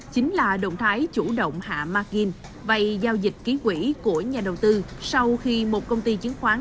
chính là động thái chủ động hạ margin vậy giao dịch ký quỷ của nhà đầu tư sau khi một công ty chứng khoán